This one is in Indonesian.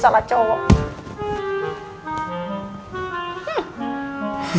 kakaknya udah kebun